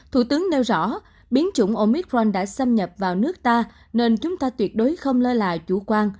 thủ tướng nêu rõ biến chủng omitron đã xâm nhập vào nước ta nên chúng ta tuyệt đối không lơ là chủ quan